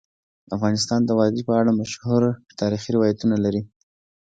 افغانستان د وادي په اړه مشهور تاریخی روایتونه لري.